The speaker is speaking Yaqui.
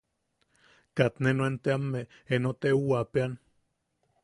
Kat ne nuen teamme eno teuwatuapea.